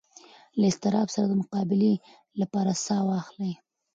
له اضطراب سره د مقابلې لپاره ساه واخلئ.